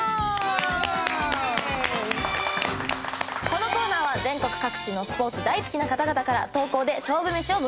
このコーナーは全国各地のスポーツ大好きな方々から投稿で勝負めしを募集しています。